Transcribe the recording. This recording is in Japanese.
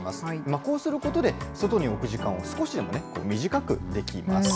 こうすることで、外に置く時間を少しでも短くできます。